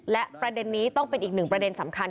และประเด็นนี้ต้องเป็นอีกหนึ่งประเด็นสำคัญ